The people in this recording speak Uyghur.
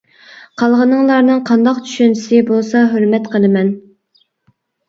قالغىنىڭلارنىڭ قانداق چۈشەنچىسى بولسا ھۆرمەت قىلىمەن.